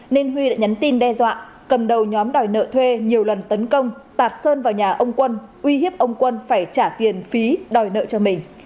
nên huy đã nhắn tin đe dọa cầm đầu nhóm đòi nợ thuê nhiều lần tấn công tạt sơn vào nhà ông quân uy hiếp ông quân phải trả tiền phí đòi nợ cho mình